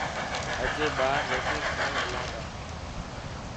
اڄ ٻاهر روٽي کان هلا تا.